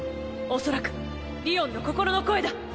おそらくりおんの心の声だ！